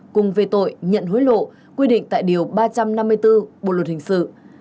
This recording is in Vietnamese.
cùng về tội nhận hối lộ quy định tại điều ba trăm năm mươi bốn bộ luật hình sự